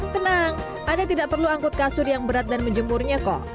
tenang anda tidak perlu angkut kasur yang berat dan menjemurnya kok